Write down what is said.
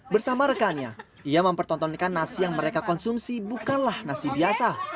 bersama rekannya ia mempertontonkan nasi yang mereka konsumsi bukanlah nasi biasa